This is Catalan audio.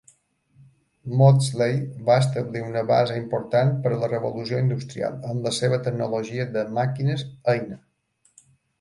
Maudslay va establir una base important per a la Revolució Industrial amb la seva tecnologia de màquines-eina.